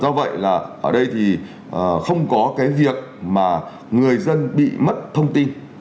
do vậy là ở đây thì không có cái việc mà người dân bị mất thông tin